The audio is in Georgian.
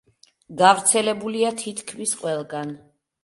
გავრცელებულია თითქმის ყველგან.